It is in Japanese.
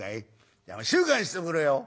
じゃあ静かにしてくれよ。